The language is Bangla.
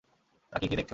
তাকিয়ে কী দেখছো?